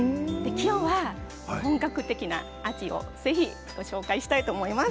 きょうは本格的な味をぜひ、ご紹介したいと思います。